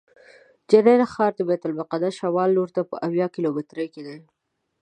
جنین ښار د بیت المقدس شمال لوري ته په اویا کیلومترۍ کې دی.